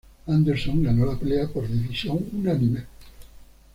Anderson ganó la pelea por decisión unánime.